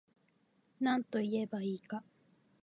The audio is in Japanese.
なんといえば良いか